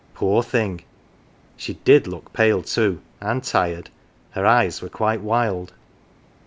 Poor thing, she did look pale too, and tired her eyes were quite wild.